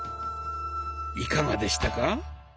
いかがでしたか？